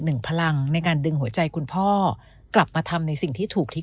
หนึ่งพลังในการดึงหัวใจคุณพ่อกลับมาทำในสิ่งที่ถูกทิศ